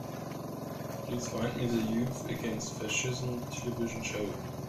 Please find me the Youth Against Fascism television show.